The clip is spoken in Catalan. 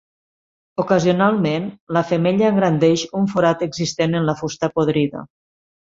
Ocasionalment la femella engrandeix un forat existent en la fusta podrida.